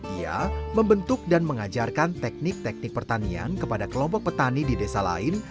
ia membentuk dan mengajarkan teknik teknik pertanian kepada kelompok petani di desa lain